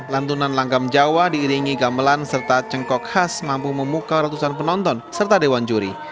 lantunan langgam jawa diiringi gamelan serta cengkok khas mampu memukau ratusan penonton serta dewan juri